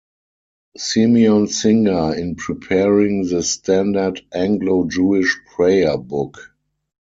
Simeon Singer in preparing the standard Anglo-Jewish prayer book.